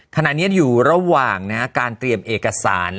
ขณะนี้อยู่ระหว่างการเตรียมเอกสาร